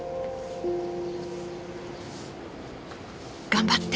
頑張って！